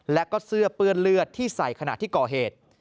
และก็เสื้อเปื้อนเลือดที่ใส่ขณะที่ก่อเหตุ